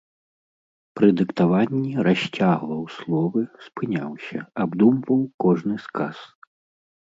Пры дыктаванні расцягваў словы, спыняўся, абдумваў кожны сказ.